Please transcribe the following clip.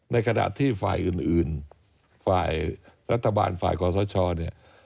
ในขณะที่ฝ่ายอื่นฝ่ายรัฐบาลฝ่ายขอสชเนี่ย